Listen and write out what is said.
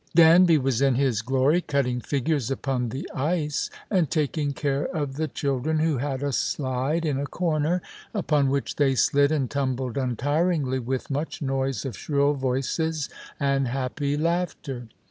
3Ir. Danby was in his glory cutting figures upon the ice, and taking care of the children, who had a slide in a corner, upon which they slid and tumbled untiringly, with much noise of shrill voices and happy laughter.